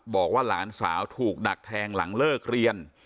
บอกว่าหลานสาวถูกดักแทงหลังเลิกเรียน